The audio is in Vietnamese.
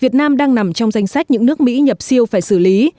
trong danh sách những nước mỹ nhập siêu phải xử lý